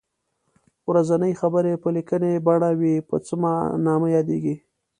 ورځنۍ خبرې په لیکنۍ بڼه وي په څه نامه یادیږي.